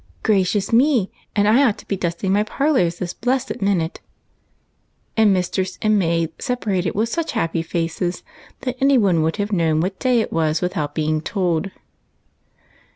" Gracious me, and I ought to be dusting my par lors this blessed minute !" and mistress and maid sep arated with such happy faces that any one would have known what day it was without being told.